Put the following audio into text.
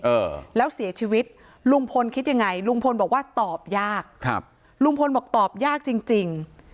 เออแล้วเสียชีวิตลุงพลคิดยังไงลุงพลบอกว่าตอบยากครับลุงพลบอกตอบยากจริงจริง